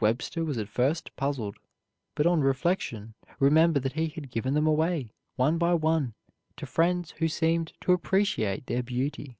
Webster was at first puzzled, but on reflection remembered that he had given them away, one by one, to friends who seemed to appreciate their beauty.